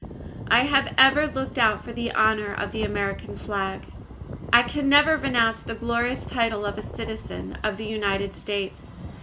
I have ever looked out for the honour of the American Flag. I can never renounce the glorious title of a Citizen of the United States.